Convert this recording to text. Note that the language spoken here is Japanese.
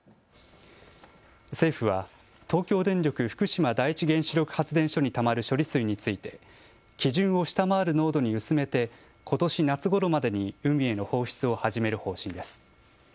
政府は東京電力福島第一原子力発電所にたまる処理水について基準を下回る濃度に薄めてことし夏ごろまでに海への放出を始める方針です。